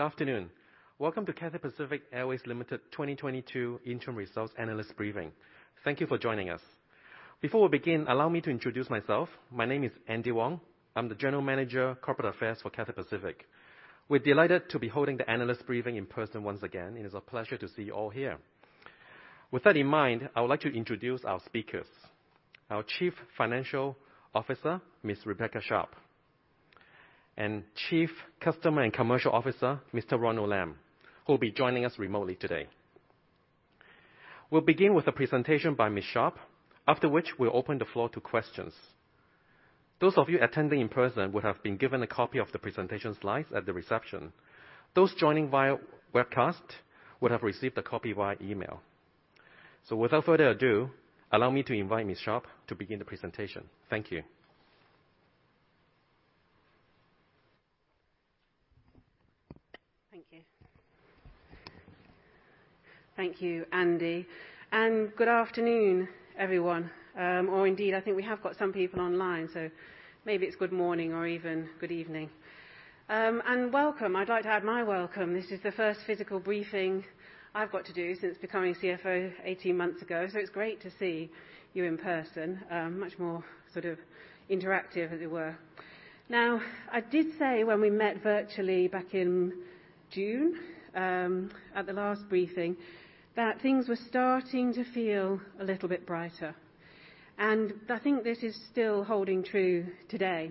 Good afternoon. Welcome to Cathay Pacific Airways Limited 2022 interim results analyst briefing. Thank you for joining us. Before we begin, allow me to introduce myself. My name is Andy Wong. I'm the General Manager, Corporate Affairs for Cathay Pacific. We're delighted to be holding the analyst briefing in person once again, and it's a pleasure to see you all here. With that in mind, I would like to introduce our speakers. Our Chief Financial Officer, Ms. Rebecca Sharpe, and Chief Customer and Commercial Officer, Mr. Ronald Lam, who'll be joining us remotely today. We'll begin with a presentation by Ms. Sharpe, after which we'll open the floor to questions. Those of you attending in person would have been given a copy of the presentation slides at the reception. Those joining via webcast would have received a copy via email. Without further ado, allow me to invite Ms. Sharpe to begin the presentation. Thank you. Thank you. Thank you, Andy, and good afternoon, everyone. Or indeed, I think we have got some people online, so maybe it's good morning or even good evening. Welcome. I'd like to add my welcome. This is the first physical briefing I've got to do since becoming CFO 18 months ago, so it's great to see you in person. Much more sort of interactive, as it were. Now, I did say when we met virtually back in June, at the last briefing, that things were starting to feel a little bit brighter, and I think this is still holding true today.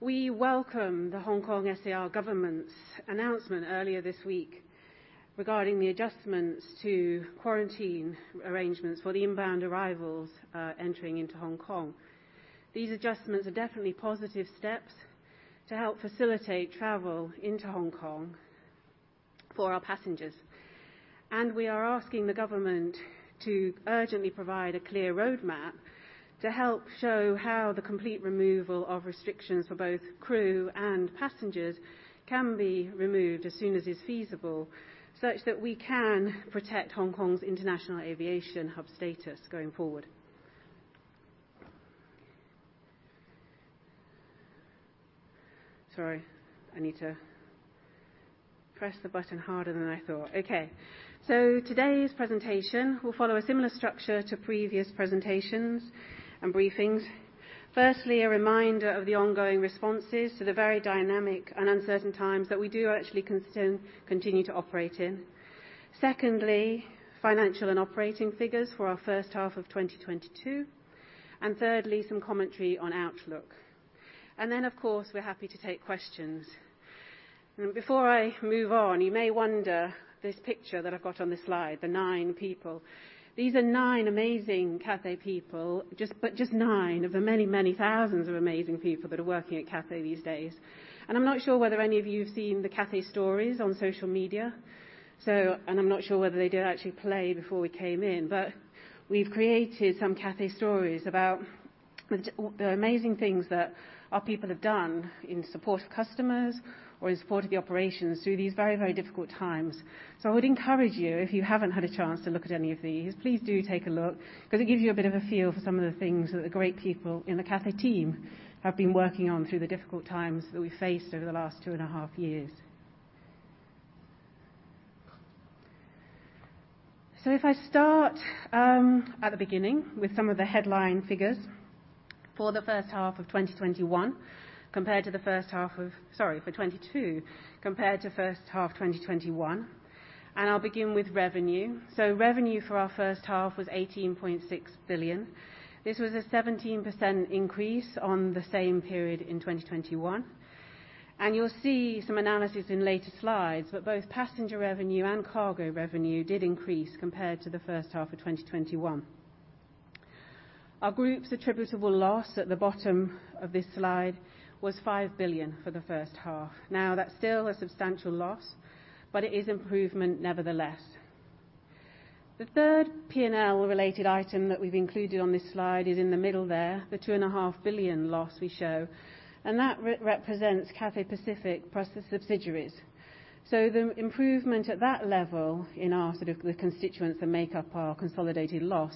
We welcome the Hong Kong SAR Government's announcement earlier this week regarding the adjustments to quarantine arrangements for the inbound arrivals, entering into Hong Kong. These adjustments are definitely positive steps to help facilitate travel into Hong Kong for our passengers. We are asking the government to urgently provide a clear roadmap to help show how the complete removal of restrictions for both crew and passengers can be removed as soon as is feasible, such that we can protect Hong Kong's international aviation hub status going forward. Sorry, I need to press the button harder than I thought. Okay. Today's presentation will follow a similar structure to previous presentations and briefings. Firstly, a reminder of the ongoing responses to the very dynamic and uncertain times that we do actually continue to operate in. Secondly, financial and operating figures for our first half of 2022. Thirdly, some commentary on outlook. Then, of course, we're happy to take questions. Before I move on, you may wonder this picture that I've got on this slide, the nine people. These are nine amazing Cathay people, just nine of the many, many thousands of amazing people that are working at Cathay these days. I'm not sure whether any of you have seen the Cathay Stories on social media. I'm not sure whether they did actually play before we came in. We've created some Cathay Stories about the amazing things that our people have done in support of customers or in support of the operations through these very, very difficult times. I would encourage you, if you haven't had a chance to look at any of these, please do take a look because it gives you a bit of a feel for some of the things that the great people in the Cathay team have been working on through the difficult times that we faced over the last two and a half years. If I start at the beginning with some of the headline figures for the first half of 2022, compared to the first half of 2021, and I'll begin with revenue. Revenue for our first half was 18.6 billion. This was a 17% increase on the same period in 2021. You'll see some analysis in later slides, but both passenger revenue and cargo revenue did increase compared to the first half of 2021. Our group's attributable loss at the bottom of this slide was 5 billion for the first half. Now, that's still a substantial loss, but it is improvement nevertheless. The third P&L related item that we've included on this slide is in the middle there, the two and a half billion HKD loss we show, and that represents Cathay Pacific plus the subsidiaries. The improvement at that level in our sort of the constituents that make up our consolidated loss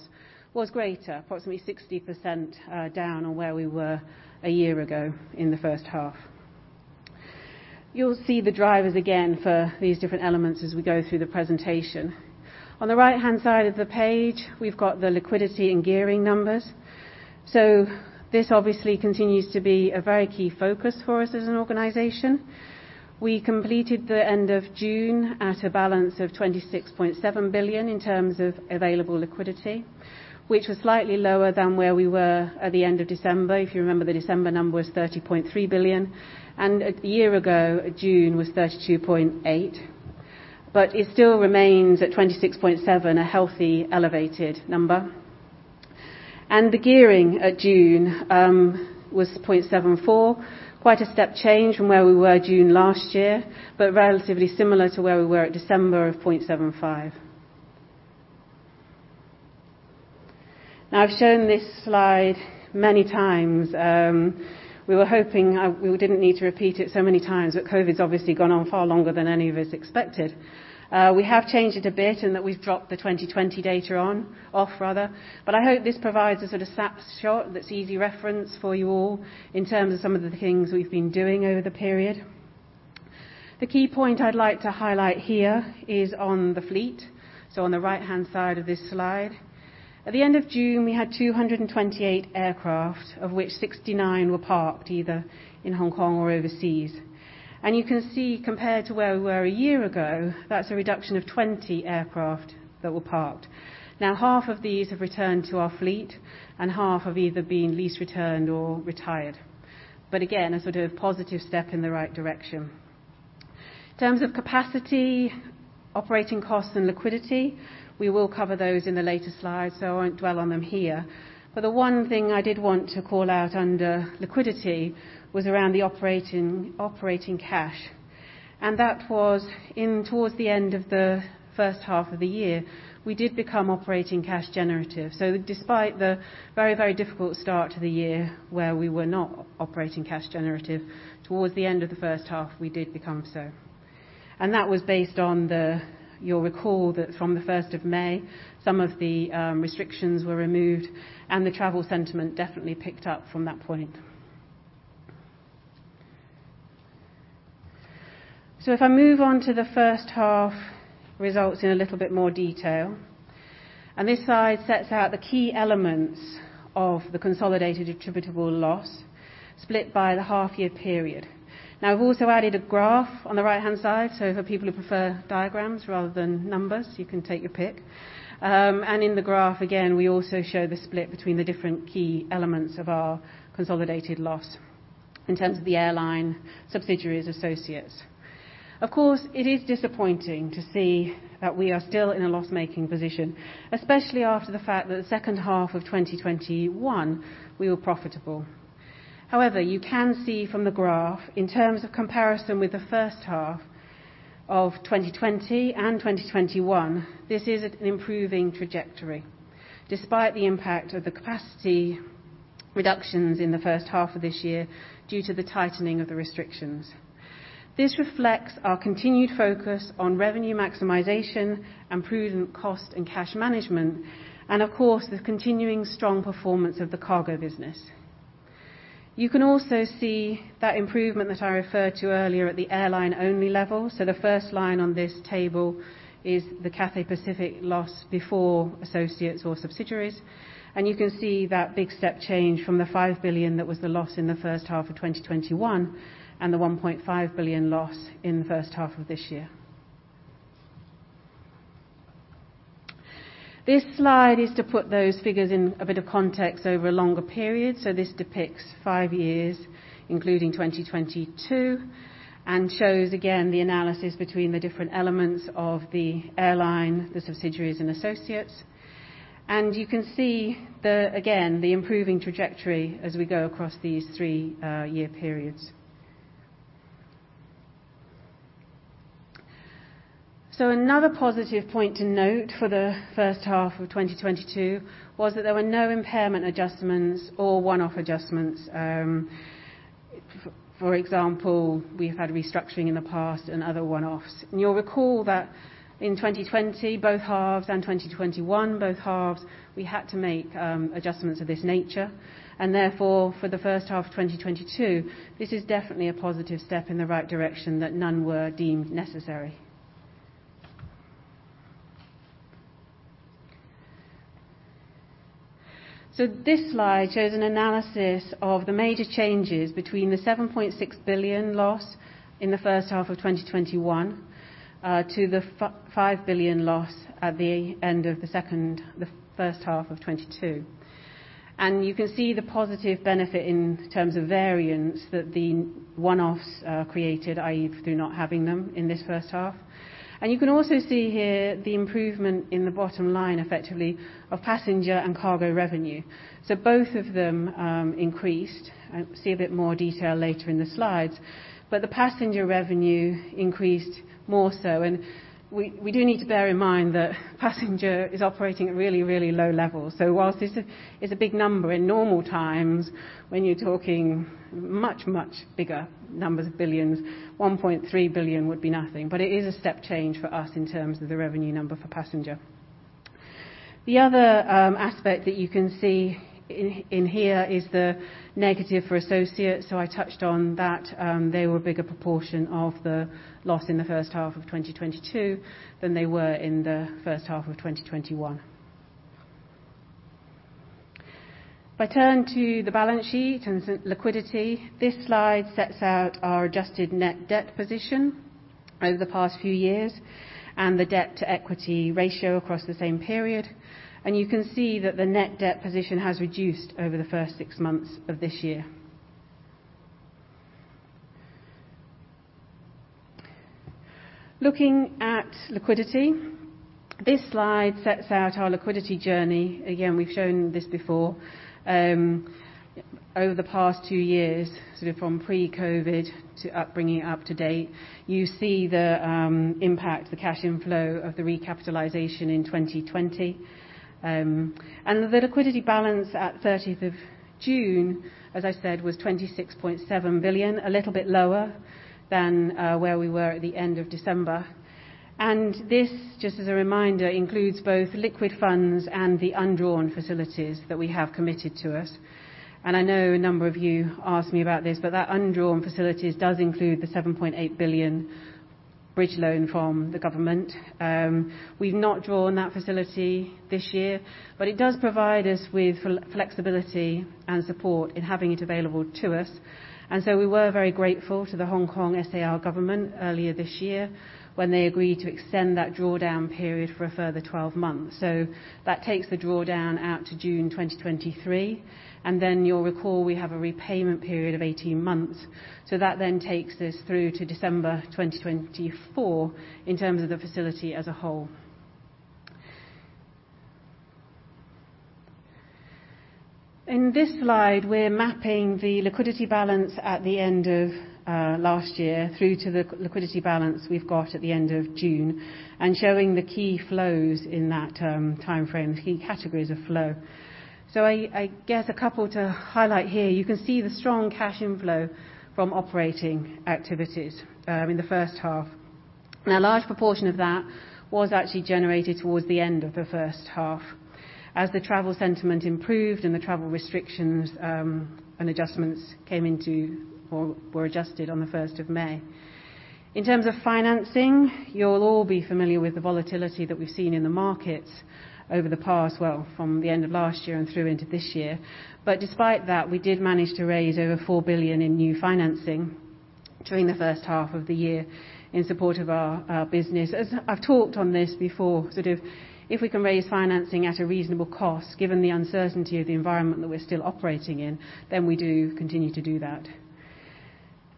was greater, approximately 60%, down on where we were a year ago in the first half. You'll see the drivers again for these different elements as we go through the presentation. On the right-hand side of the page, we've got the liquidity and gearing numbers. This obviously continues to be a very key focus for us as an organization. We completed the end of June at a balance of 26.7 billion in terms of available liquidity, which was slightly lower than where we were at the end of December. If you remember, the December number was 30.3 billion. A year ago, June was 32.8 billion. It still remains at 26.7 billion, a healthy, elevated number. The gearing at June was 0.74. Quite a step change from where we were June last year, but relatively similar to where we were at December of 0.75. Now, I've shown this slide many times. We were hoping we didn't need to repeat it so many times, but COVID's obviously gone on far longer than any of us expected. We have changed it a bit in that we've dropped the 2020 data off. I hope this provides a sort of snapshot that's an easy reference for you all in terms of some of the things we've been doing over the period. The key point I'd like to highlight here is on the fleet, so on the right-hand side of this slide. At the end of June, we had 228 aircraft, of which 69 were parked either in Hong Kong or overseas. You can see compared to where we were a year ago, that's a reduction of 20 aircraft that were parked. Now half of these have returned to our fleet, and half have either been lease returned or retired. Again, a sort of positive step in the right direction. In terms of capacity, operating costs, and liquidity, we will cover those in a later slide, so I won't dwell on them here. The one thing I did want to call out under liquidity was around the operating cash. That was towards the end of the first half of the year. We did become operating cash generative. Despite the very, very difficult start to the year where we were not operating cash generative, towards the end of the first half, we did become so. You'll recall that from the first of May, some of the restrictions were removed, and the travel sentiment definitely picked up from that point. If I move on to the first half results in a little bit more detail, and this slide sets out the key elements of the consolidated attributable loss split by the half year period. Now I've also added a graph on the right-hand side, so for people who prefer diagrams rather than numbers, you can take your pick. In the graph, again, we also show the split between the different key elements of our consolidated loss in terms of the airline subsidiaries associates. Of course, it is disappointing to see that we are still in a loss-making position, especially after the fact that the second half of 2021 we were profitable. However, you can see from the graph, in terms of comparison with the first half of 2020 and 2021, this is an improving trajectory, despite the impact of the capacity reductions in the first half of this year due to the tightening of the restrictions. This reflects our continued focus on revenue maximization and prudent cost and cash management, and of course, the continuing strong performance of the cargo business. You can also see that improvement that I referred to earlier at the airline-only level. The first line on this table is the Cathay Pacific loss before associates or subsidiaries, and you can see that big step change from the 5 billion that was the loss in the first half of 2021 and the 1.5 billion loss in the first half of this year. This slide is to put those figures in a bit of context over a longer period. This depicts five years, including 2022, and shows again the analysis between the different elements of the airline, the subsidiaries and associates. You can see, again, the improving trajectory as we go across these three year periods. Another positive point to note for the first half of 2022 was that there were no impairment adjustments or one-off adjustments. For example, we've had restructuring in the past and other one-offs. You'll recall that in 2020, both halves, and 2021, both halves, we had to make adjustments of this nature. Therefore, for the first half of 2022, this is definitely a positive step in the right direction that none were deemed necessary. This slide shows an analysis of the major changes between the 7.6 billion loss in the first half of 2021 to the 1.5 billion loss in the first half of 2022. You can see the positive benefit in terms of variance that the one-offs created, i.e., through not having them in this first half. You can also see here the improvement in the bottom line, effectively, of passenger and cargo revenue. Both of them increased. You'll see a bit more detail later in the slides. The passenger revenue increased more so. We do need to bear in mind that passenger is operating at really, really low levels. While this is a big number, in normal times, when you're talking much, much bigger numbers of billions, 1.3 billion would be nothing. It is a step change for us in terms of the revenue number for passenger. The other aspect that you can see in here is the negative for associates. I touched on that. They were a bigger proportion of the loss in the first half of 2022 than they were in the first half of 2021. If I turn to the balance sheet and liquidity, this slide sets out our adjusted net debt position over the past few years and the debt to equity ratio across the same period. You can see that the net debt position has reduced over the first six months of this year. Looking at liquidity, this slide sets out our liquidity journey. Again, we've shown this before. Over the past two years, sort of from pre-COVID to bringing it up to date, you see the impact, the cash inflow of the recapitalization in 2020. The liquidity balance at 30th of June, as I said, was 26.7 billion, a little bit lower than where we were at the end of December. This, just as a reminder, includes both liquid funds and the undrawn facilities that we have committed to us. I know a number of you asked me about this, but that undrawn facilities does include the 7.8 billion bridge loan from the government. We've not drawn that facility this year, but it does provide us with flexibility and support in having it available to us. We were very grateful to the Hong Kong SAR Government earlier this year when they agreed to extend that drawdown period for a further 12 months. That takes the drawdown out to June 2023, and then you'll recall we have a repayment period of 18 months. That then takes us through to December 2024 in terms of the facility as a whole. In this slide, we're mapping the liquidity balance at the end of last year through to the liquidity balance we've got at the end of June, and showing the key flows in that timeframe, the key categories of flow. I guess a couple to highlight here. You can see the strong cash inflow from operating activities in the first half. Now, a large proportion of that was actually generated towards the end of the first half as the travel sentiment improved and the travel restrictions and adjustments came into or were adjusted on the first of May. In terms of financing, you'll all be familiar with the volatility that we've seen in the markets over the past, well, from the end of last year and through into this year. Despite that, we did manage to raise over 4 billion in new financing during the first half of the year in support of our business. As I've talked on this before, sort of if we can raise financing at a reasonable cost, given the uncertainty of the environment that we're still operating in, then we do continue to do that.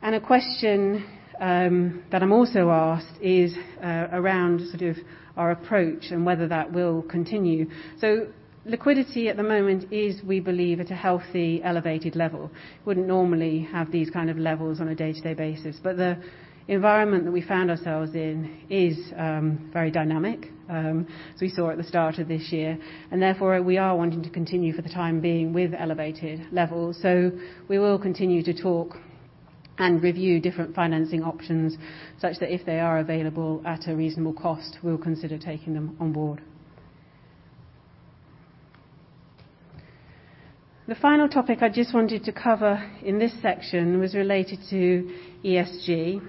A question that I'm also asked is around sort of our approach and whether that will continue. Liquidity at the moment is, we believe, at a healthy, elevated level. Wouldn't normally have these kind of levels on a day-to-day basis, but the environment that we found ourselves in is very dynamic as we saw at the start of this year, and therefore we are wanting to continue for the time being with elevated levels. We will continue to talk and review different financing options such that if they are available at a reasonable cost, we'll consider taking them on board. The final topic I just wanted to cover in this section was related to ESG.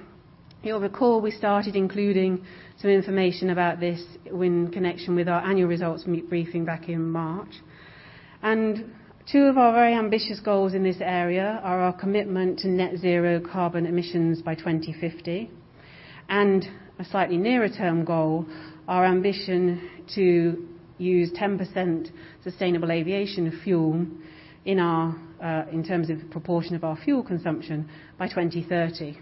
You'll recall we started including some information about this in connection with our annual results meeting briefing back in March. Two of our very ambitious goals in this area are our commitment to net-zero carbon emissions by 2050, and a slightly nearer-term goal, our ambition to use 10% sustainable aviation fuel in terms of proportion of our fuel consumption by 2030.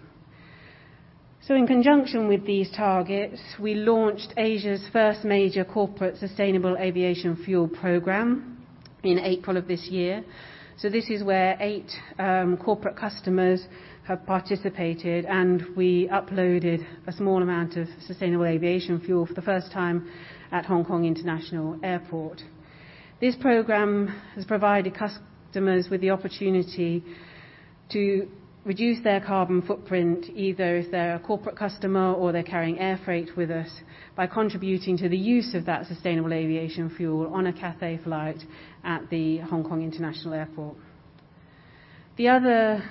In conjunction with these targets, we launched Asia's first major corporate sustainable aviation fuel program in April of this year. This is where eight corporate customers have participated, and we uploaded a small amount of sustainable aviation fuel for the first time at Hong Kong International Airport. This program has provided customers with the opportunity to reduce their carbon footprint, either if they're a corporate customer or they're carrying air freight with us, by contributing to the use of that sustainable aviation fuel on a Cathay flight at the Hong Kong International Airport. The other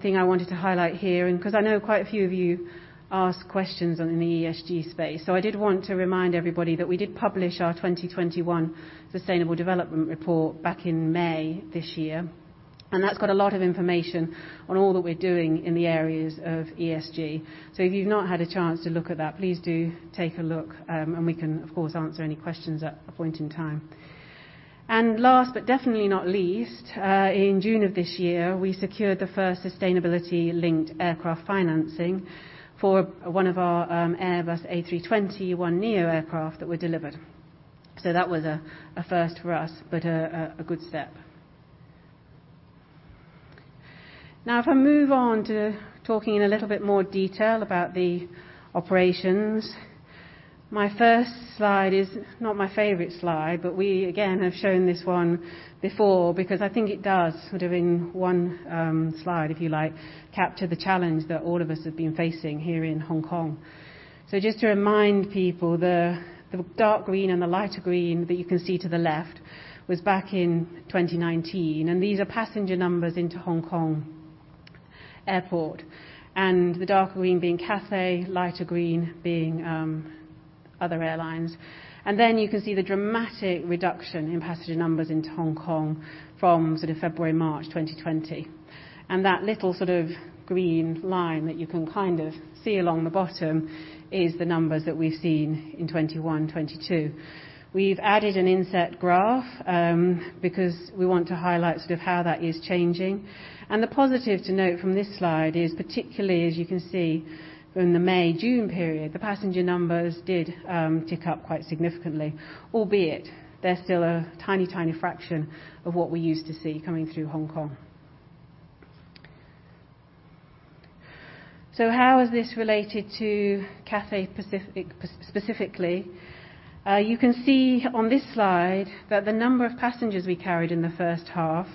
thing I wanted to highlight here, and because I know quite a few of you ask questions on the ESG space, so I did want to remind everybody that we did publish our 2021 Sustainable Development Report back in May this year, and that's got a lot of information on all that we're doing in the areas of ESG. If you've not had a chance to look at that, please do take a look, and we can, of course, answer any questions at a point in time. Last but definitely not least, in June of this year, we secured the first sustainability-linked aircraft financing for one of our Airbus A321neo aircraft that were delivered. That was a first for us, but a good step. Now if I move on to talking in a little bit more detail about the operations. My first slide is not my favorite slide, but we again have shown this one before because I think it does sort of in one slide, if you like, capture the challenge that all of us have been facing here in Hong Kong. Just to remind people, the dark green and the lighter green that you can see to the left was back in 2019, and these are passenger numbers into Hong Kong Airport. The dark green being Cathay, lighter green being other airlines. Then you can see the dramatic reduction in passenger numbers into Hong Kong from sort of February, March 2020. That little sort of green line that you can kind of see along the bottom is the numbers that we've seen in 2021-2022. We've added an inset graph because we want to highlight sort of how that is changing. The positive to note from this slide is particularly, as you can see from the May-June period, the passenger numbers did tick up quite significantly, albeit they're still a tiny fraction of what we used to see coming through Hong Kong. How is this related to Cathay Pacific specifically? You can see on this slide that the number of passengers we carried in the first half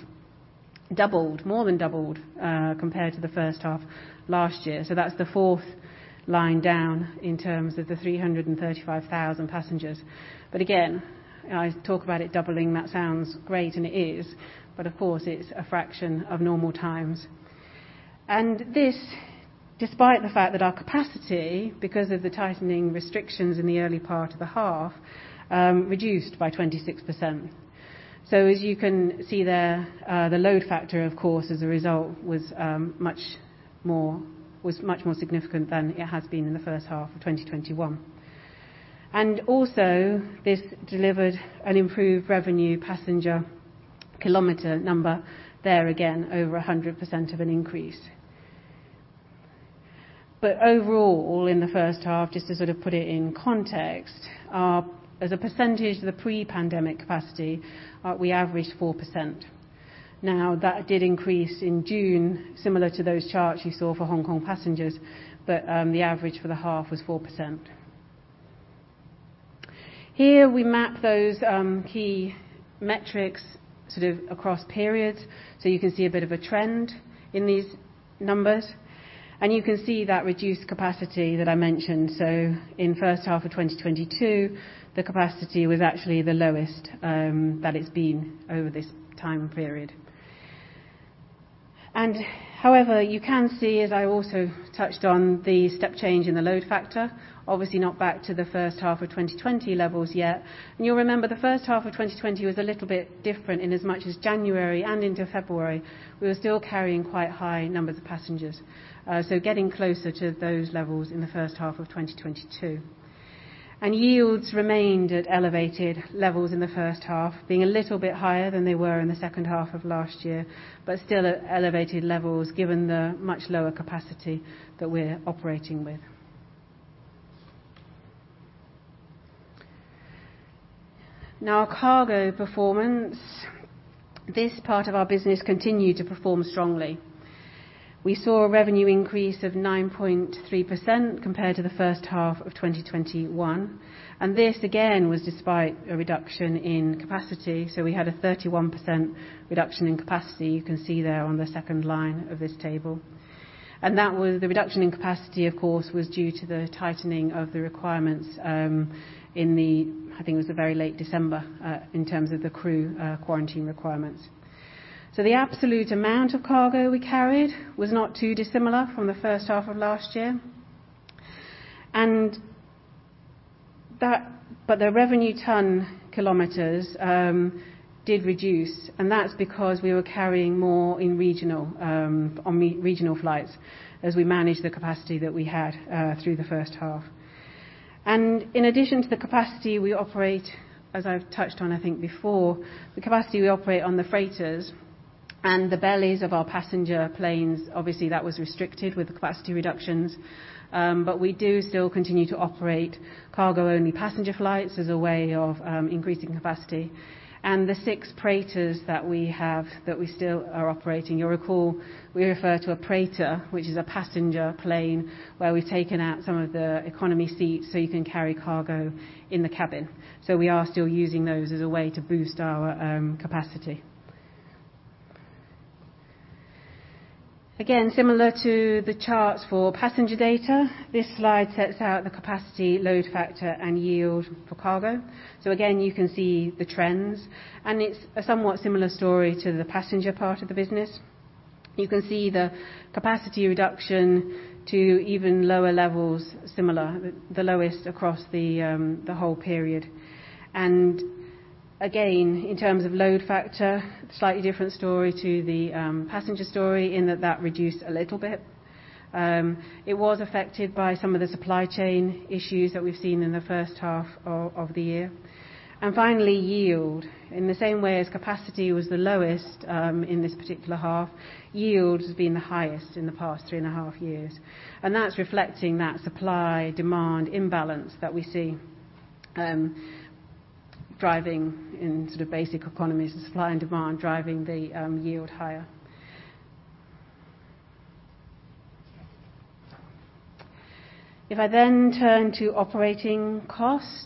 doubled, more than doubled, compared to the first half last year. That's the fourth line down in terms of the 335,000 passengers. Again, I talk about it doubling, that sounds great, and it is, but of course, it's a fraction of normal times. This, despite the fact that our capacity, because of the tightening restrictions in the early part of the half, reduced by 26%. As you can see there, the load factor, of course, as a result, was much more significant than it has been in the first half of 2021. This delivered an improved revenue passenger kilometer number there again, over 100% increase. Overall, in the first half, just to sort of put it in context, as a percentage of the pre-pandemic capacity, we averaged 4%. Now, that did increase in June, similar to those charts you saw for Hong Kong passengers, but the average for the half was 4%. Here, we map those key metrics sort of across periods, so you can see a bit of a trend in these numbers. You can see that reduced capacity that I mentioned. In first half of 2022, the capacity was actually the lowest that it's been over this time period. However, you can see, as I also touched on the step change in the load factor, obviously not back to the first half of 2020 levels yet. You'll remember the first half of 2020 was a little bit different in as much as January and into February, we were still carrying quite high numbers of passengers. Getting closer to those levels in the first half of 2022. Yields remained at elevated levels in the first half, being a little bit higher than they were in the second half of last year, but still at elevated levels, given the much lower capacity that we're operating with. Now, cargo performance. This part of our business continued to perform strongly. We saw a revenue increase of 9.3% compared to the first half of 2021. This again was despite a reduction in capacity. We had a 31% reduction in capacity. You can see there on the second line of this table. That, the reduction in capacity, of course, was due to the tightening of the requirements in I think it was the very late December in terms of the crew quarantine requirements. The absolute amount of cargo we carried was not too dissimilar from the first half of last year. But the Revenue Tonne-kilometres did reduce, and that's because we were carrying more in regional on regional flights as we managed the capacity that we had through the first half. In addition to the capacity we operate, as I've touched on, I think before, the capacity we operate on the freighters and the bellies of our passenger planes, obviously that was restricted with the capacity reductions. We do still continue to operate cargo-only passenger flights as a way of increasing capacity. The six Preighters that we have that we still are operating, you'll recall, we refer to a Preighter, which is a passenger plane, where we've taken out some of the economy seats, so you can carry cargo in the cabin. We are still using those as a way to boost our capacity. Again, similar to the charts for passenger data, this slide sets out the capacity load factor and yield for cargo. Again, you can see the trends, and it's a somewhat similar story to the passenger part of the business. You can see the capacity reduction to even lower levels, similar to the lowest across the whole period. Again, in terms of load factor, slightly different story to the passenger story in that it reduced a little bit. It was affected by some of the supply chain issues that we've seen in the first half of the year. Finally, yield. In the same way as capacity was the lowest in this particular half, yield has been the highest in the past three and a half years. That's reflecting that supply-demand imbalance that we see driving in sort of basic economies, the supply and demand driving the yield higher. If I then turn to operating costs.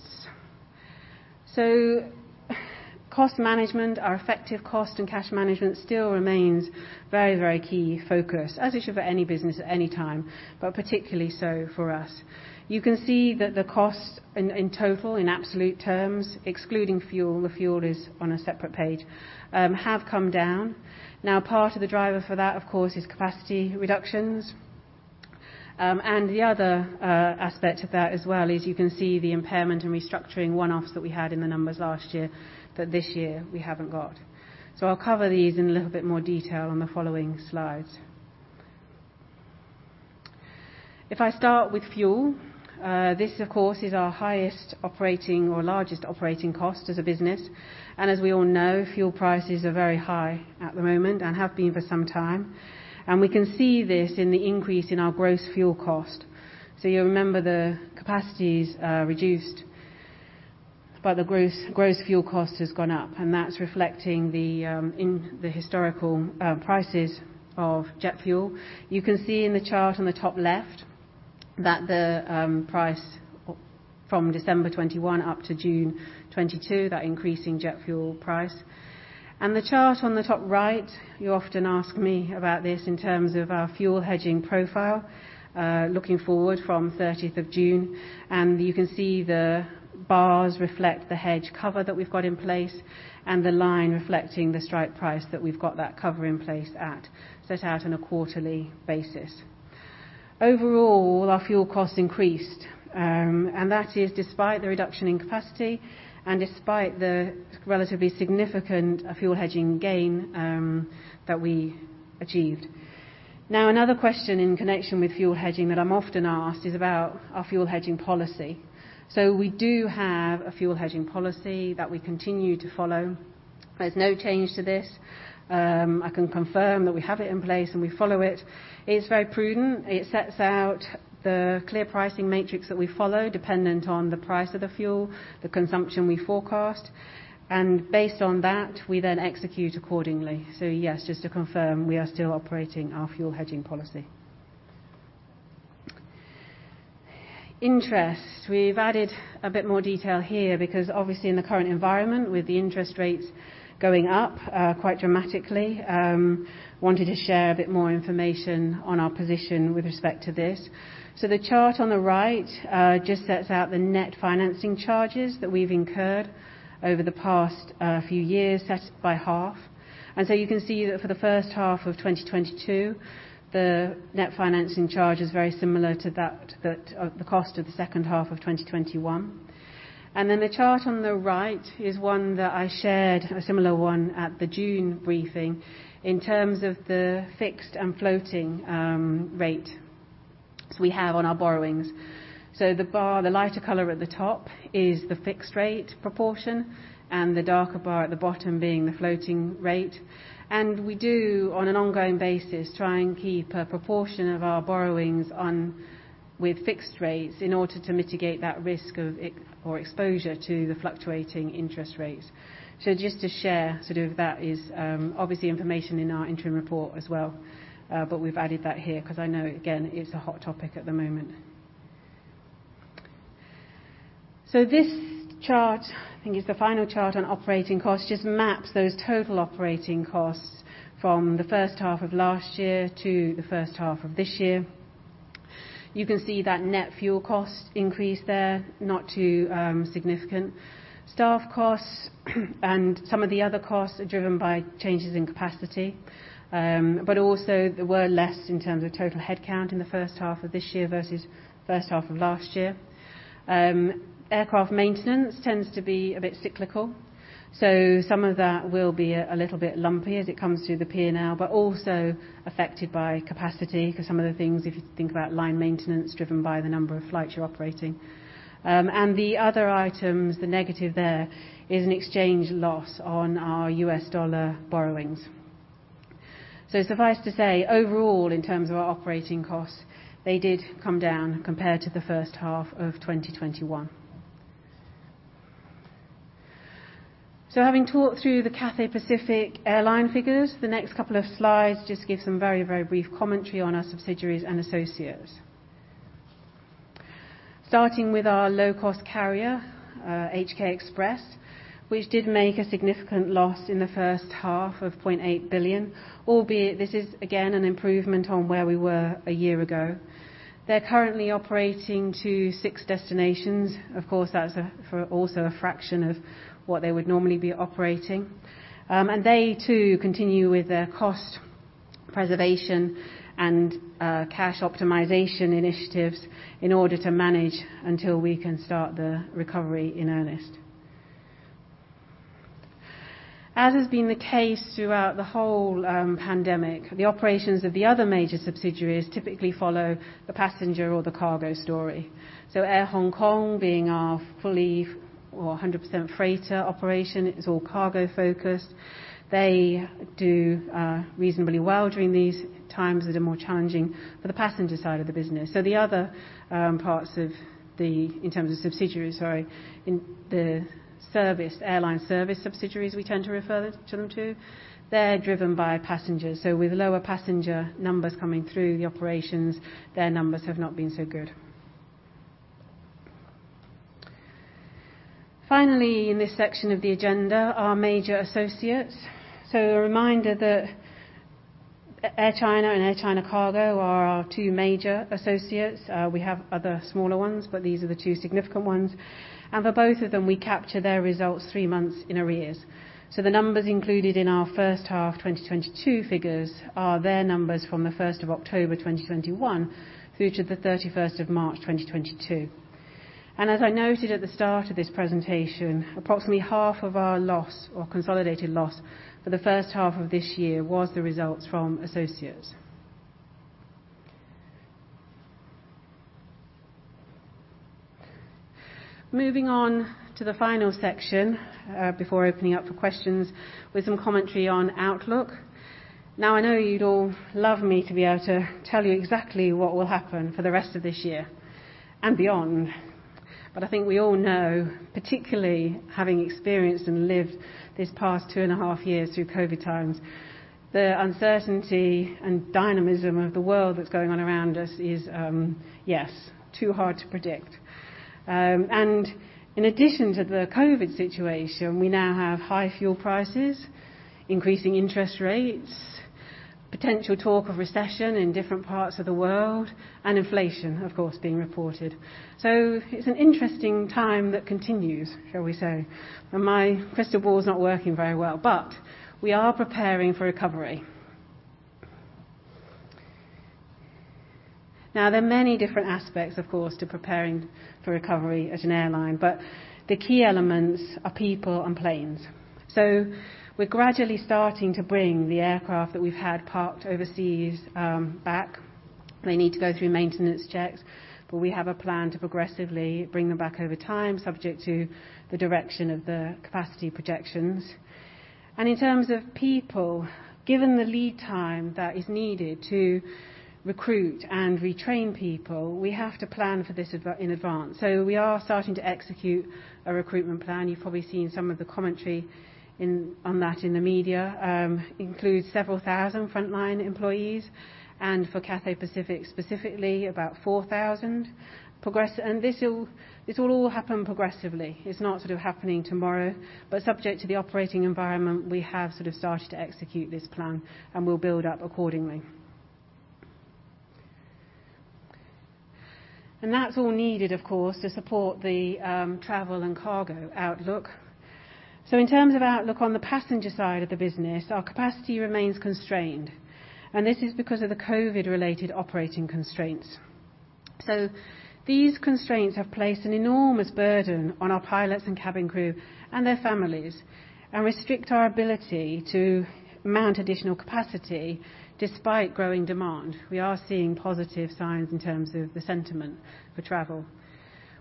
Cost management, our effective cost and cash management still remains very, very key focus, as it should for any business at any time, but particularly so for us. You can see that the cost in total, in absolute terms, excluding fuel, the fuel is on a separate page, have come down. Now, part of the driver for that, of course, is capacity reductions. The other aspect of that as well is you can see the impairment and restructuring one-offs that we had in the numbers last year, that this year we haven't got. I'll cover these in a little bit more detail on the following slides. If I start with fuel, this of course, is our highest operating or largest operating cost as a business. As we all know, fuel prices are very high at the moment and have been for some time. We can see this in the increase in our gross fuel cost. You remember the capacities are reduced, but the gross fuel cost has gone up, and that's reflecting the in the historical prices of jet fuel. You can see in the chart on the top left. That the price from December 2021 up to June 2022, that increasing jet fuel price. The chart on the top right, you often ask me about this in terms of our fuel hedging profile, looking forward from 30th of June. You can see the bars reflect the hedge cover that we've got in place and the line reflecting the strike price that we've got that cover in place at, set out on a quarterly basis. Overall, our fuel costs increased, and that is despite the reduction in capacity and despite the relatively significant fuel hedging gain, that we achieved. Now, another question in connection with fuel hedging that I'm often asked is about our fuel hedging policy. We do have a fuel hedging policy that we continue to follow. There's no change to this. I can confirm that we have it in place, and we follow it. It's very prudent. It sets out the clear pricing matrix that we follow dependent on the price of the fuel, the consumption we forecast, and based on that, we then execute accordingly. Yes, just to confirm, we are still operating our fuel hedging policy. Interest. We've added a bit more detail here because obviously in the current environment, with the interest rates going up, quite dramatically, wanted to share a bit more information on our position with respect to this. The chart on the right just sets out the net financing charges that we've incurred over the past few years, split by half. You can see that for the first half of 2022, the net financing charge is very similar to that of the second half of 2021. The chart on the right is one that I shared, a similar one at the June briefing, in terms of the fixed and floating rate we have on our borrowings. The bar, the lighter color at the top is the fixed rate proportion, and the darker bar at the bottom being the floating rate. We do, on an ongoing basis, try and keep a proportion of our borrowings on with fixed rates in order to mitigate that risk of or exposure to the fluctuating interest rates. Just to share, sort of that is obviously information in our interim report as well, but we've added that here because I know, again, it's a hot topic at the moment. This chart, I think it's the final chart on operating costs, just maps those total operating costs from the first half of last year to the first half of this year. You can see that net fuel cost increase there, not too significant. Staff costs and some of the other costs are driven by changes in capacity, but also there were less in terms of total head count in the first half of this year versus first half of last year. Aircraft maintenance tends to be a bit cyclical, so some of that will be a little bit lumpy as it comes through the P&L, but also affected by capacity for some of the things, if you think about line maintenance driven by the number of flights you're operating. The other items, the negative there, is an exchange loss on our U.S. dollar borrowings. Suffice to say, overall, in terms of our operating costs, they did come down compared to the first half of 2021. Having talked through the Cathay Pacific airline figures, the next couple of slides just give some very, very brief commentary on our subsidiaries and associates. Starting with our low-cost carrier, HK Express, which did make a significant loss in the first half of 0.8 billion, albeit this is again an improvement on where we were a year ago. They're currently operating to six destinations. Of course, that's also a fraction of what they would normally be operating. They too continue with their cost preservation and cash optimization initiatives in order to manage until we can start the recovery in earnest. As has been the case throughout the whole pandemic, the operations of the other major subsidiaries typically follow the passenger or the cargo story. Air Hong Kong being our 100% freighter operation, it's all cargo-focused. They do reasonably well during these times that are more challenging for the passenger side of the business. The other parts in terms of subsidiaries, sorry, in the service airline service subsidiaries, we tend to refer to them, they're driven by passengers. With lower passenger numbers coming through the operations, their numbers have not been so good. Finally, in this section of the agenda, our major associates. A reminder that Air China and Air China Cargo are our two major associates. We have other smaller ones, but these are the two significant ones. For both of them, we capture their results three months in arrears. The numbers included in our first half 2022 figures are their numbers from the 1st of October 2021 through to the 31st of March 2022. As I noted at the start of this presentation, approximately half of our loss or consolidated loss for the first half of this year was the results from associates. Moving on to the final section, before opening up for questions with some commentary on outlook. Now, I know you'd all love me to be able to tell you exactly what will happen for the rest of this year and beyond. I think we all know, particularly having experienced and lived this past two and half years through COVID times, the uncertainty and dynamism of the world that's going on around us is, yes, too hard to predict. In addition to the COVID situation, we now have high fuel prices, increasing interest rates, potential talk of recession in different parts of the world, and inflation, of course, being reported. It's an interesting time that continues, shall we say. My crystal ball is not working very well, but we are preparing for recovery. Now, there are many different aspects, of course, to preparing for recovery as an airline. The key elements are people and planes. We're gradually starting to bring the aircraft that we've had parked overseas back. They need to go through maintenance checks, but we have a plan to progressively bring them back over time, subject to the direction of the capacity projections. In terms of people, given the lead time that is needed to recruit and retrain people, we have to plan for this in advance. We are starting to execute a recruitment plan. You've probably seen some of the commentary on that in the media. Includes several thousand frontline employees, and for Cathay Pacific specifically, about 4,000. This will all happen progressively. It's not sort of happening tomorrow. Subject to the operating environment, we have sort of started to execute this plan, and we'll build up accordingly. That's all needed, of course, to support the travel and cargo outlook. In terms of outlook on the passenger side of the business, our capacity remains constrained, and this is because of the COVID-related operating constraints. These constraints have placed an enormous burden on our pilots and cabin crew and their families, and restrict our ability to mount additional capacity despite growing demand. We are seeing positive signs in terms of the sentiment for travel.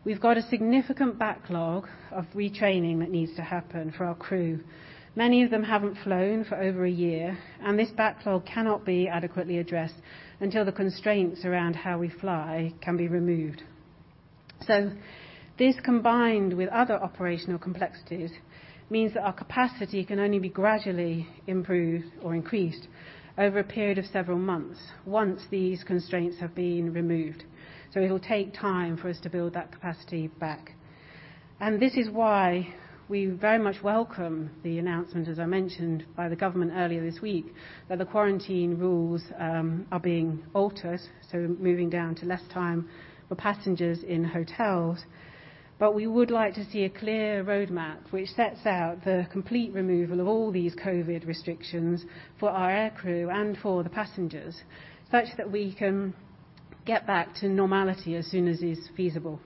We've got a significant backlog of retraining that needs to happen for our crew. Many of them haven't flown for over a year, and this backlog cannot be adequately addressed until the constraints around how we fly can be removed. This, combined with other operational complexities, means that our capacity can only be gradually improved or increased over a period of several months once these constraints have been removed. It'll take time for us to build that capacity back. This is why we very much welcome the announcement, as I mentioned, by the government earlier this week, that the quarantine rules are being altered, so moving down to less time for passengers in hotels. We would like to see a clear roadmap which sets out the complete removal of all these COVID restrictions for our aircrew and for the passengers, such that we can get back to normality as soon as is feasible.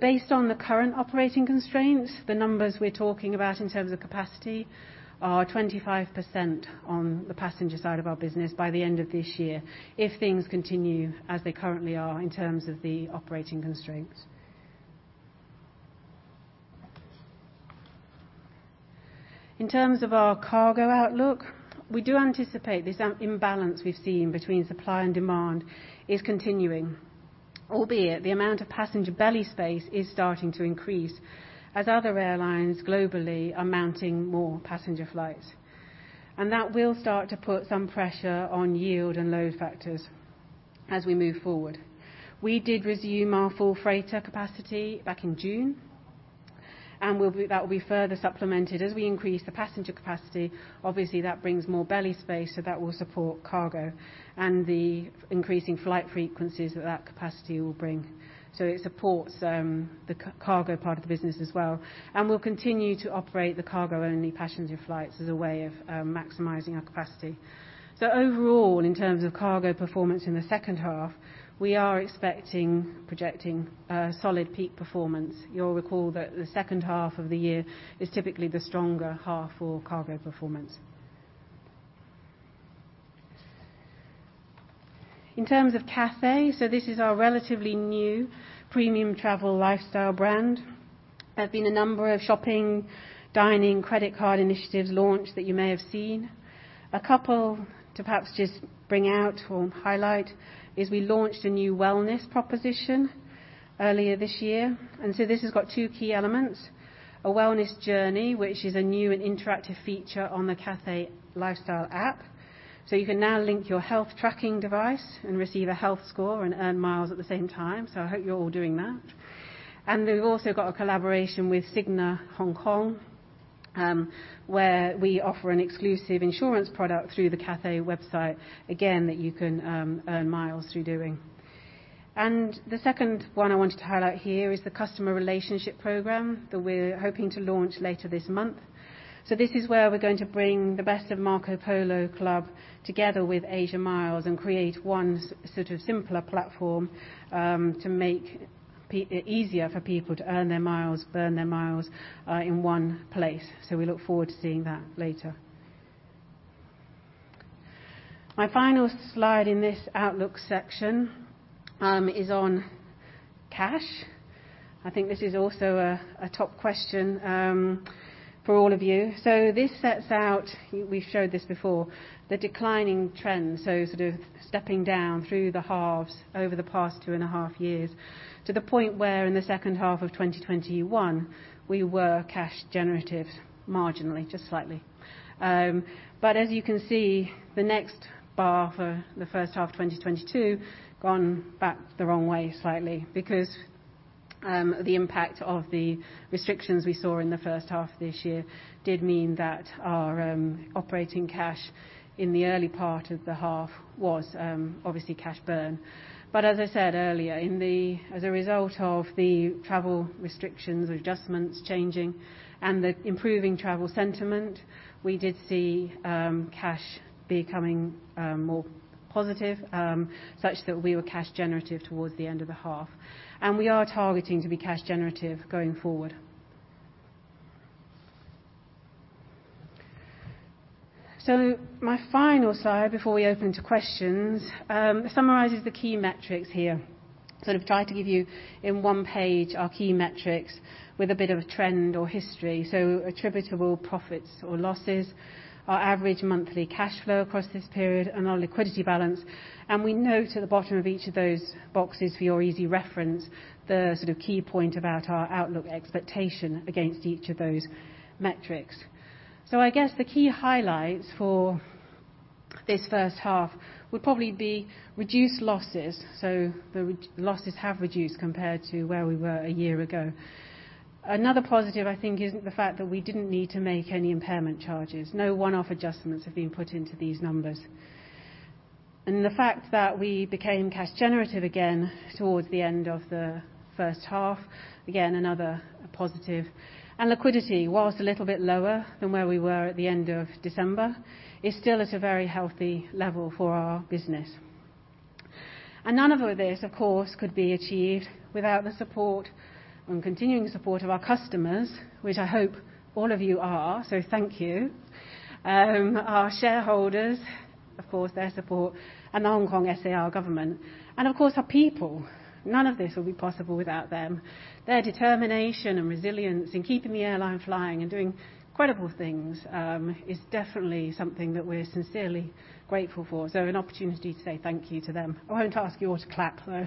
Based on the current operating constraints, the numbers we're talking about in terms of capacity are 25% on the passenger side of our business by the end of this year if things continue as they currently are in terms of the operating constraints. In terms of our cargo outlook, we do anticipate this imbalance we've seen between supply and demand is continuing, albeit the amount of passenger belly space is starting to increase as other airlines globally are mounting more passenger flights. That will start to put some pressure on yield and load factors as we move forward. We did resume our full freighter capacity back in June, and that will be further supplemented as we increase the passenger capacity. Obviously, that brings more belly space, so that will support cargo and the increasing flight frequencies that that capacity will bring. It supports the cargo part of the business as well. We'll continue to operate the cargo-only passenger flights as a way of maximizing our capacity. Overall, in terms of cargo performance in the second half, we are expecting, projecting a solid peak performance. You'll recall that the second half of the year is typically the stronger half for cargo performance. In terms of Cathay, this is our relatively new premium travel lifestyle brand. There have been a number of shopping, dining, credit card initiatives launched that you may have seen. A couple to perhaps just bring out or highlight is we launched a new wellness proposition earlier this year. This has got two key elements, a wellness journey, which is a new and interactive feature on the Cathay lifestyle app. You can now link your health-tracking device and receive a Health Score and earn miles at the same time. I hope you're all doing that. We've also got a collaboration with Cigna Hong Kong, where we offer an exclusive insurance product through the Cathay website, again, that you can earn miles through doing. The second one I wanted to highlight here is the customer relationship program that we're hoping to launch later this month. This is where we're going to bring the best of Marco Polo Club together with Asia Miles and create one sort of simpler platform, to make easier for people to earn their miles, burn their miles, in one place. We look forward to seeing that later. My final slide in this outlook section is on cash. I think this is also a top question for all of you. This sets out, we showed this before, the declining trends. Sort of stepping down through the halves over the past two and half years, to the point where in the second half of 2021, we were cash generative marginally, just slightly. As you can see, the next bar for the first half of 2022, gone back the wrong way slightly because the impact of the restrictions we saw in the first half of this year did mean that our operating cash in the early part of the half was obviously cash burn. As I said earlier, as a result of the travel restrictions or adjustments changing and the improving travel sentiment, we did see cash becoming more positive, such that we were cash generative towards the end of the half. We are targeting to be cash generative going forward. My final slide before we open to questions summarizes the key metrics here. Sort of try to give you in one page our key metrics with a bit of a trend or history. Attributable profits or losses, our average monthly cash flow across this period, and our liquidity balance. We note at the bottom of each of those boxes for your easy reference, the sort of key point about our outlook expectation against each of those metrics. I guess the key highlights for this first half would probably be reduced losses. Losses have reduced compared to where we were a year ago. Another positive, I think, is the fact that we didn't need to make any impairment charges. No one-off adjustments have been put into these numbers. The fact that we became cash generative again towards the end of the first half, again, another positive. Liquidity, while a little bit lower than where we were at the end of December, is still at a very healthy level for our business. None of this, of course, could be achieved without the support and continuing support of our customers, which I hope all of you are. Thank you. Our shareholders, of course, their support and the Hong Kong SAR Government. Of course, our people. None of this would be possible without them. Their determination and resilience in keeping the airline flying and doing incredible things is definitely something that we're sincerely grateful for. An opportunity to say thank you to them. I won't ask you all to clap, though.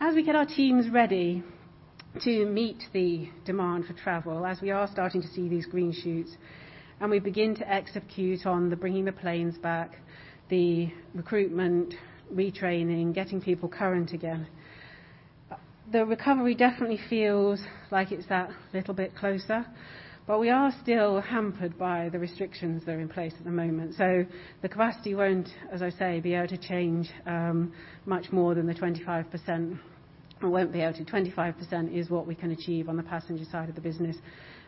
As we get our teams ready to meet the demand for travel, as we are starting to see these green shoots, and we begin to execute on the bringing the planes back, the recruitment, retraining, getting people current again. The recovery definitely feels like it's that little bit closer, but we are still hampered by the restrictions that are in place at the moment. The capacity won't, as I say, be able to change much more than the 25%. We won't be able to.25% is what we can achieve on the passenger side of the business,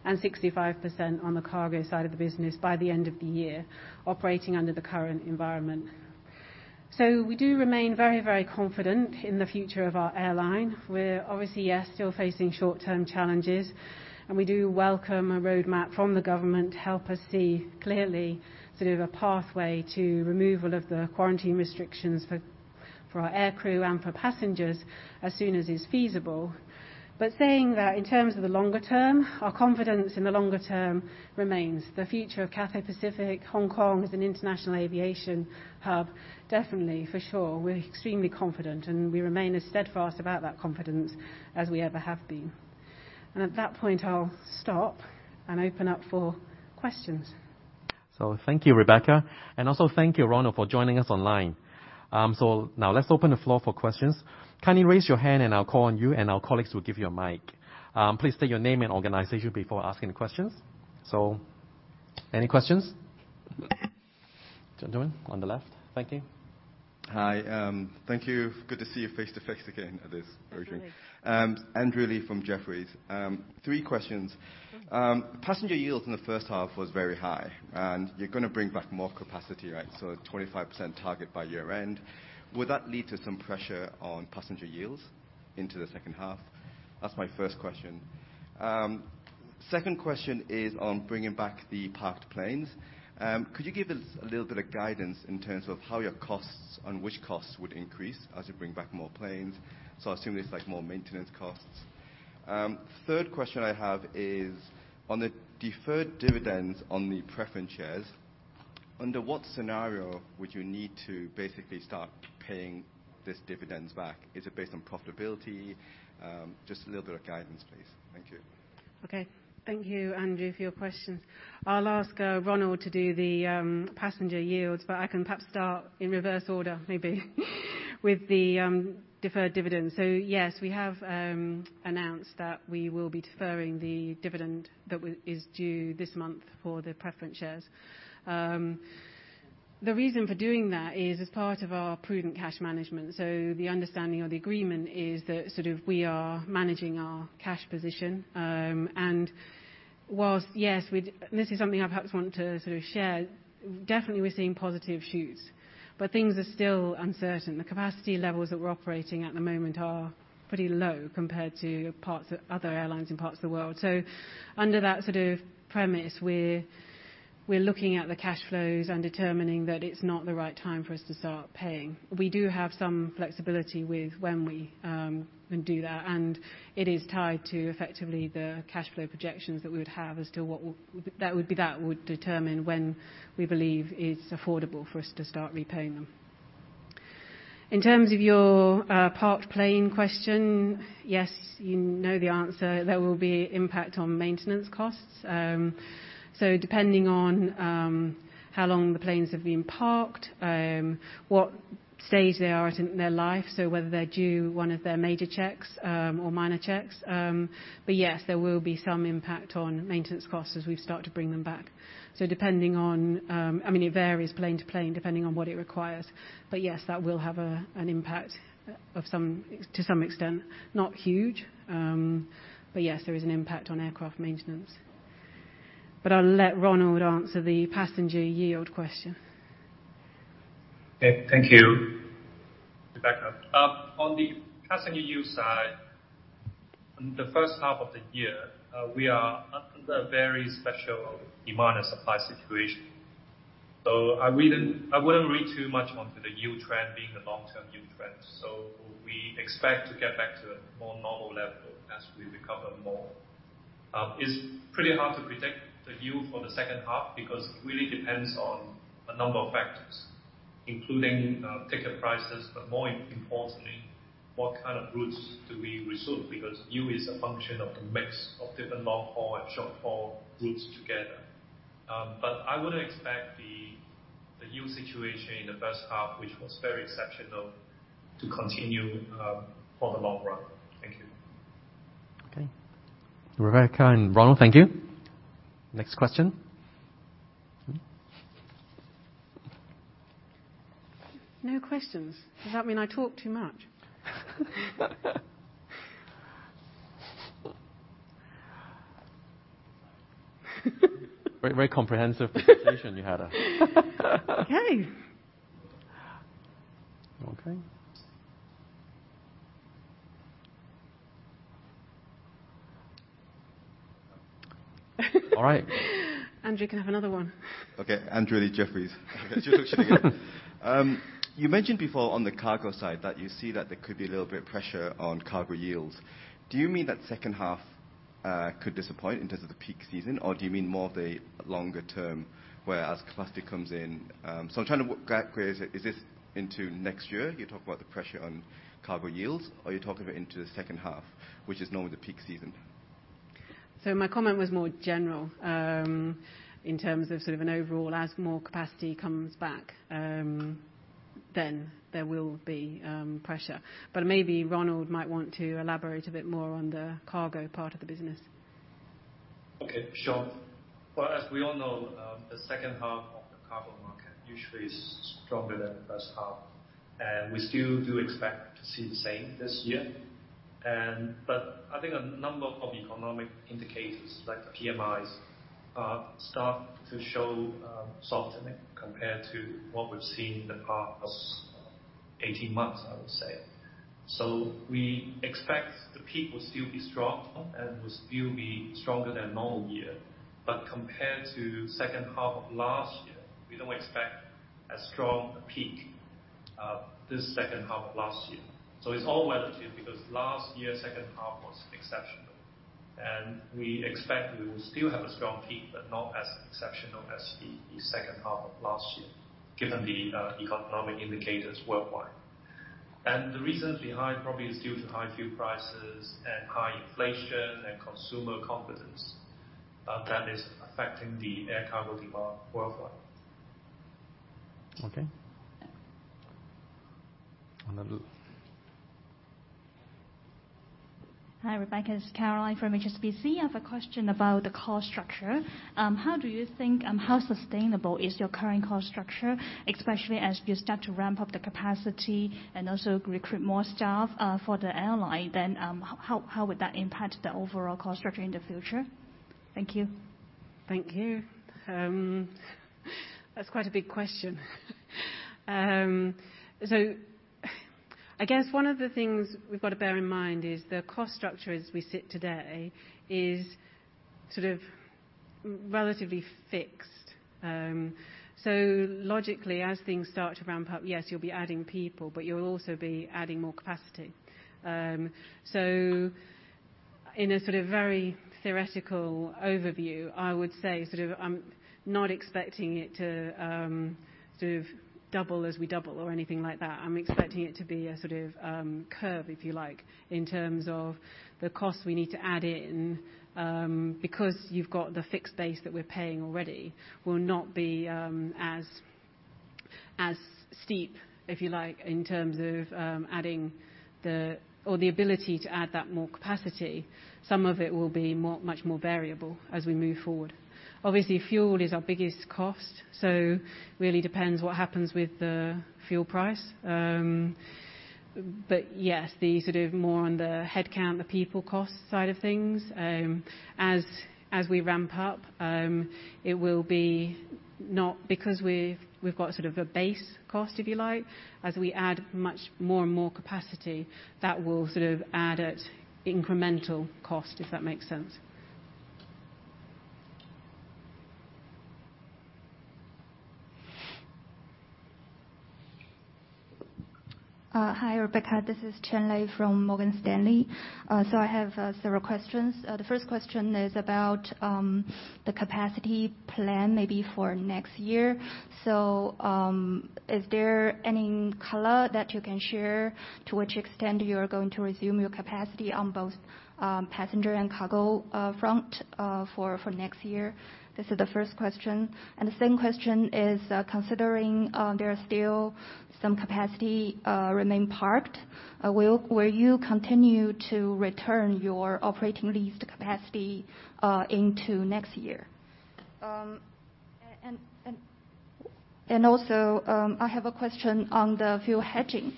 and 65% on the cargo side of the business by the end of the year, operating under the current environment. We do remain very, very confident in the future of our airline. We're obviously, yes, still facing short-term challenges, and we do welcome a roadmap from the government to help us see clearly sort of a pathway to removal of the quarantine restrictions for our aircrew and for passengers as soon as is feasible. Saying that, in terms of the longer term, our confidence in the longer term remains. The future of Cathay Pacific, Hong Kong as an international aviation hub, definitely for sure, we're extremely confident and we remain as steadfast about that confidence as we ever have been. At that point I'll stop and open up for questions. Thank you, Rebecca. Also thank you, Ronald, for joining us online. Now let's open the floor for questions. Kindly raise your hand and I'll call on you, and our colleagues will give you a mic. Please state your name and organization before asking the questions. Any questions? Gentlemen on the left. Thank you. Hi. Thank you. Good to see you face to face again at this briefing. Absolutely. Andrew Lee from Jefferies. Three questions. Passenger yields in the first half was very high, and you're gonna bring back more capacity, right? A 25% target by year end. Would that lead to some pressure on passenger yields into the second half? That's my first question. Second question is on bringing back the parked planes. Could you give us a little bit of guidance in terms of how your costs, on which costs would increase as you bring back more planes? I assume there's like more maintenance costs. Third question I have is on the deferred dividends on the preference shares, under what scenario would you need to basically start paying these dividends back? Is it based on profitability? Just a little bit of guidance, please. Thank you. Okay. Thank you, Andrew, for your questions. I'll ask Ronald to do the passenger yields, but I can perhaps start in reverse order maybe with the deferred dividends. Yes, we have announced that we will be deferring the dividend that is due this month for the preference shares. The reason for doing that is as part of our prudent cash management. The understanding or the agreement is that sort of we are managing our cash position. Whilst yes, this is something I perhaps want to sort of share. Definitely we're seeing positive shoots, but things are still uncertain. The capacity levels that we're operating at the moment are pretty low compared to parts of other airlines in parts of the world. Under that sort of premise, we're looking at the cash flows and determining that it's not the right time for us to start paying. We do have some flexibility with when we do that, and it is tied to effectively the cash flow projections that we would have as to what that would be that would determine when we believe it's affordable for us to start repaying them. In terms of your parked plane question, yes, you know the answer. There will be impact on maintenance costs. Depending on how long the planes have been parked, what stage they are at in their life, so whether they're due one of their major checks or minor checks. Yes, there will be some impact on maintenance costs as we start to bring them back. So depending on, I mean, it varies plane to plane, depending on what it requires. Yes, that will have an impact to some extent. Not huge, but yes, there is an impact on aircraft maintenance. I'll let Ronald answer the passenger yield question. Okay, thank you, Rebecca. On the passenger yield side, the first half of the year, we are under a very special demand and supply situation. I wouldn't read too much onto the yield trend being a long-term yield trend. We expect to get back to a more normal level as we recover more. It's pretty hard to predict the yield for the second half because it really depends on a number of factors, including ticket prices. More importantly, what kind of routes do we resume? Because yield is a function of the mix of different long-haul and short-haul routes together. I wouldn't expect the yield situation in the first half, which was very exceptional to continue for the long run. Thank you. Okay. Rebecca and Ronald, thank you. Next question. No questions. Does that mean I talk too much? Very, very comprehensive presentation you had. Okay. Okay. All right. Andrew can have another one. Okay. Andrew Lee, Jefferies. Okay. You mentioned before on the cargo side that you see that there could be a little bit of pressure on cargo yields. Do you mean that second half could disappoint in terms of the peak season, or do you mean more of a longer term, whereas capacity comes in? So, I'm trying to get is this into next year you talk about the pressure on cargo yields, or are you talking about into the second half, which is normally the peak season? My comment was more general, in terms of sort of an overall as more capacity comes back, then there will be pressure. Maybe Ronald might want to elaborate a bit more on the cargo part of the business. As we all know, the second half of the cargo market usually is stronger than the first half, and we still do expect to see the same this year. But I think a number of economic indicators like the PMIs start to show softening compared to what we've seen in the past 18 months, I would say. We expect the peak will still be strong and will still be stronger than normal year. Compared to second half of last year, we don't expect as strong a peak this second half of last year. It's all relative because last year second half was exceptional, and we expect we will still have a strong peak, but not as exceptional as the second half of last year, given the economic indicators worldwide. The reasons behind probably is due to high fuel prices and high inflation and consumer confidence that is affecting the air cargo demand worldwide. Okay. On the loop. Hi, Rebecca, this is Caroline from HSBC. I have a question about the cost structure. How do you think how sustainable is your current cost structure, especially as you start to ramp up the capacity and also recruit more staff for the airline, then how would that impact the overall cost structure in the future? Thank you. Thank you. That's quite a big question. I guess one of the things we've got to bear in mind is the cost structure as we sit today is sort of relatively fixed. Logically, as things start to ramp up, yes, you'll be adding people, but you'll also be adding more capacity. In a sort of very theoretical overview, I would say sort of I'm not expecting it to, sort of double as we double or anything like that. I'm expecting it to be a sort of, curve, if you like, in terms of the costs we need to add in, because you've got the fixed base that we're paying already, will not be as steep, if you like, in terms of adding or the ability to add that more capacity. Some of it will be more, much more variable as we move forward. Obviously, fuel is our biggest cost, so really depends what happens with the fuel price. But yes, the sort of more on the headcount, the people cost side of things, as we ramp up, it will not be because we've got sort of a base cost, if you like. As we add much more and more capacity, that will sort of add an incremental cost, if that makes sense. Hi, Rebecca. This is Qianlei from Morgan Stanley. I have several questions. The first question is about the capacity plan maybe for next year. Is there any color that you can share to which extent you are going to resume your capacity on both passenger and cargo front for next year? This is the first question. The second question is, considering there are still some capacity remain parked, will you continue to return your operating leased capacity into next year? I have a question on the fuel hedging.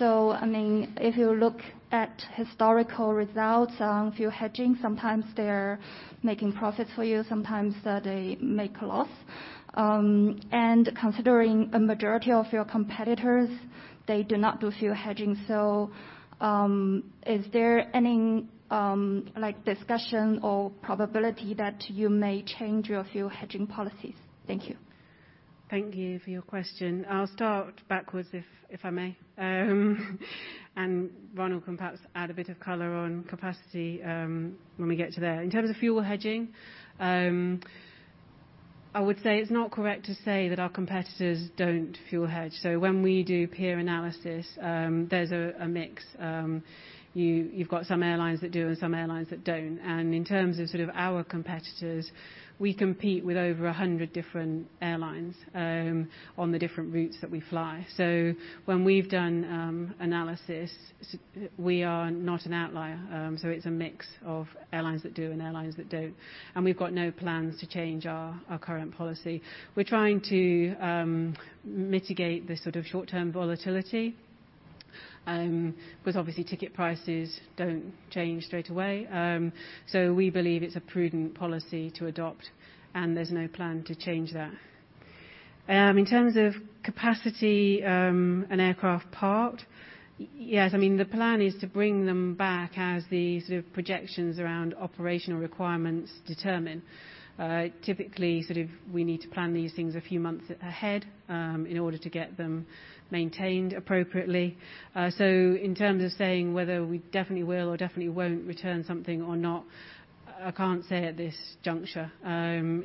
I mean, if you look at historical results on fuel hedging, sometimes they're making profits for you, sometimes they make loss. Considering a majority of your competitors, they do not do fuel hedging. Is there any, like, discussion or probability that you may change your fuel hedging policies? Thank you. Thank you for your question. I'll start backwards if I may. Ronald can perhaps add a bit of color on capacity, when we get to there. In terms of fuel hedging, I would say it's not correct to say that our competitors don't fuel hedge. When we do peer analysis, there's a mix. You've got some airlines that do and some airlines that don't. In terms of sort of our competitors, we compete with over 100 different airlines on the different routes that we fly. When we've done analysis, we are not an outlier. It's a mix of airlines that do and airlines that don't. We've got no plans to change our current policy. We're trying to mitigate the sort of short-term volatility, because obviously ticket prices don't change straight away. We believe it's a prudent policy to adopt, and there's no plan to change that. In terms of capacity and aircraft parked, yes. I mean the plan is to bring them back as the sort of projections around operational requirements determine. Typically, we need to plan these things a few months ahead, in order to get them maintained appropriately. In terms of saying whether we definitely will or definitely won't return something or not, I can't say at this juncture.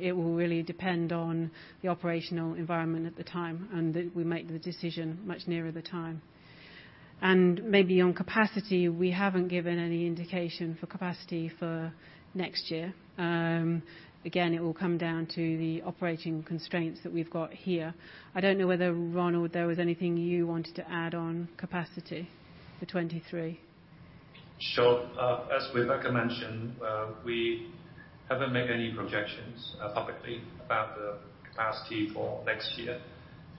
It will really depend on the operational environment at the time, and we make the decision much nearer the time. Maybe on capacity, we haven't given any indication for capacity for next year. Again, it will come down to the operating constraints that we've got here. I don't know whether, Ronald, there was anything you wanted to add on capacity for 2023. Sure. As Rebecca mentioned, we haven't made any projections publicly about the capacity for next year.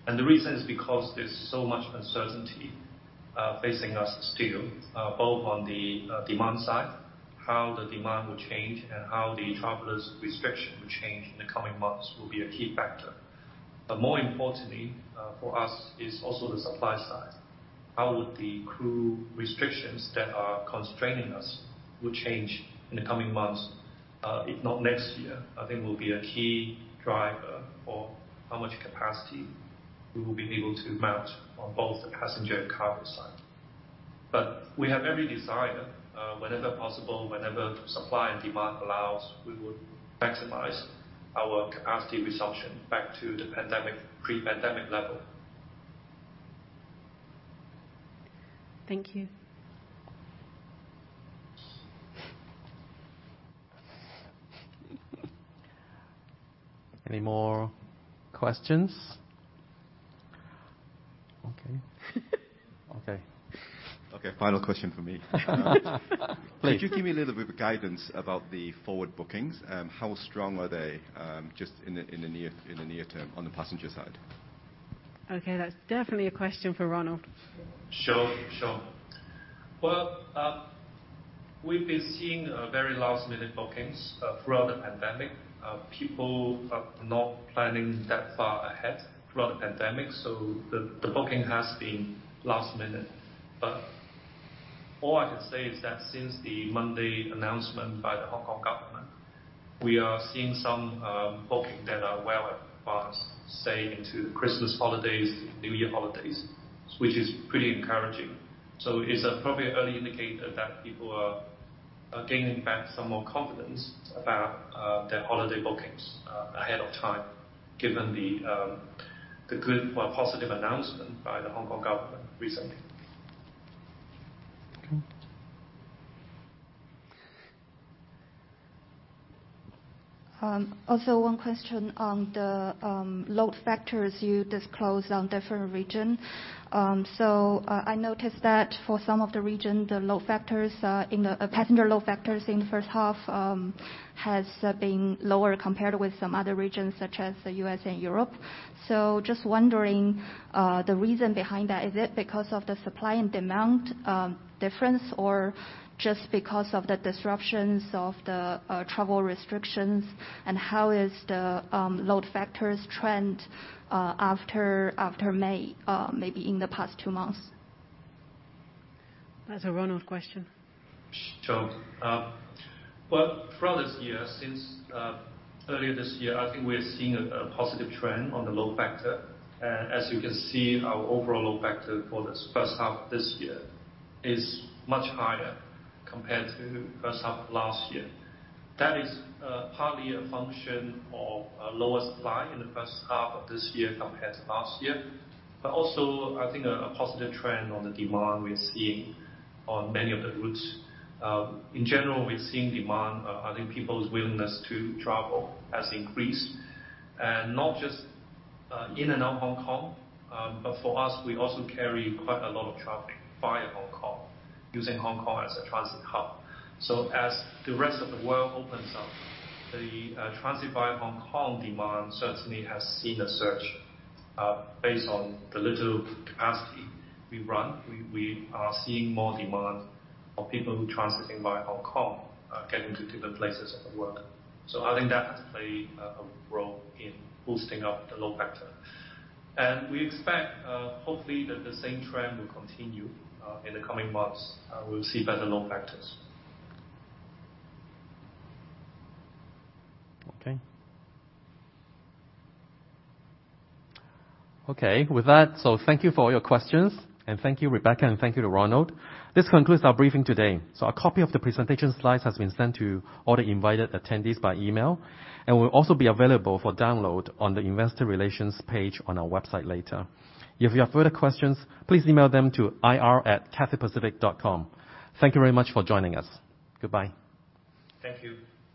The reason is because there's so much uncertainty facing us still, both on the demand side, how the demand will change, and how the travel restrictions will change in the coming months will be a key factor. More importantly, for us, is also the supply side. How would the crew restrictions that are constraining us will change in the coming months, if not next year? I think will be a key driver for how much capacity we will be able to mount on both the passenger and cargo side. We have every desire, whenever possible, whenever supply and demand allows, we would maximize our capacity resumption back to the pre-pandemic level. Thank you. Any more questions? Okay. Okay. Okay, final question from me. Please. Could you give me a little bit of guidance about the forward bookings? How strong are they, just in the near term on the passenger side? Okay, that's definitely a question for Ronald. Sure. Well, we've been seeing very last-minute bookings throughout the pandemic. People are not planning that far ahead throughout the pandemic. The booking has been last minute. All I can say is that since the Monday announcement by the Hong Kong government, we are seeing some bookings that are well advanced, say, into Christmas holidays, New Year holidays, which is pretty encouraging. It's probably an early indicator that people are gaining back some more confidence about their holiday bookings ahead of time, given the good or positive announcement by the Hong Kong government recently. Okay. Also one question on the load factors you disclosed on different region. I noticed that for some of the region, the passenger load factors in the first half has been lower compared with some other regions such as the U.S. and Europe. Just wondering the reason behind that. Is it because of the supply and demand difference or just because of the disruptions of the travel restrictions? How is the load factors trend after May, maybe in the past two months? That's a Ronald question. Sure. Well, for this year, since earlier this year, I think we're seeing a positive trend on the load factor. As you can see, our overall load factor for this first half of this year is much higher compared to first half of last year. That is partly a function of a lower supply in the first half of this year compared to last year. But also, I think a positive trend on the demand we're seeing on many of the routes. In general, we're seeing demand. I think people's willingness to travel has increased. Not just in and out of Hong Kong, but for us, we also carry quite a lot of traffic via Hong Kong, using Hong Kong as a transit hub. As the rest of the world opens up, the transit via Hong Kong demand certainly has seen a surge, based on the little capacity we run. We are seeing more demand of people who transiting via Hong Kong, getting to different places of the world. I think that has played a role in boosting up the load factor. We expect, hopefully, that the same trend will continue in the coming months. We'll see better load factors. Okay. Okay. With that, thank you for all your questions, and thank you, Rebecca, and thank you to Ronald. This concludes our briefing today. A copy of the presentation slides has been sent to all the invited attendees by email, and will also be available for download on the investor relations page on our website later. If you have further questions, please email them to ir@cathaypacific.com. Thank you very much for joining us. Goodbye. Thank you.